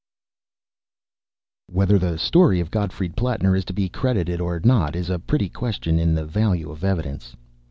Whether the story of Gottfried Plattner is to be credited or not is a pretty question in the value of evidence.